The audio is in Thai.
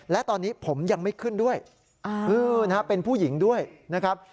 และตอนนี้ผมยังไม่ขึ้นด้วยเป็นผู้หญิงด้วยนะครับ